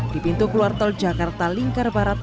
di pintu keluar tol jakarta lingkar barat